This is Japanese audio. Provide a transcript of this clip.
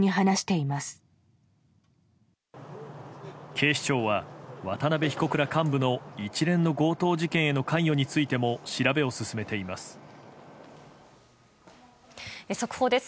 警視庁は渡辺被告ら幹部の一連の強盗事件への関与についても速報です。